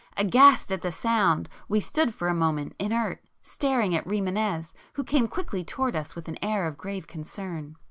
Aghast at the sound we stood for a moment inert, staring at Rimânez, who came quickly towards us with an air of grave concern.